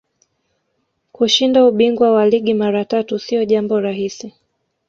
kushinda ubingwa wa ligi mara tatu siyo jambo rahisi